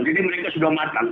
jadi mereka sudah matang